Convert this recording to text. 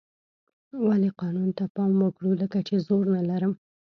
ولې قانون ته پام وکړو لکه چې زور نه لرم.